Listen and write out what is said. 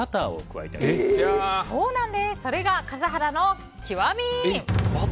それが笠原の極み。